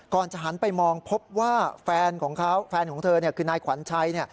ก่อนจะหันไปมองพบว่าแฟนของเธอคือนายขวัญชัย